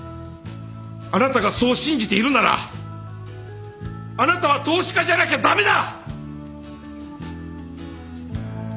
あなたがそう信じているならあなたは投資家じゃなきゃ駄目だ！